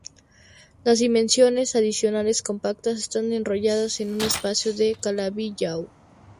Las dimensiones adicionales, compactas, están enrolladas en un espacio de Calabi-Yau.